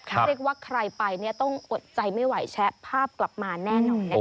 เอาคือใครไปต้องจะใจไม่ไหวแช่ภาพกลับมาเนี่ยค่ะ